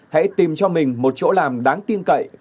hãy tìm cho mình một chỗ làm đáng tin cậy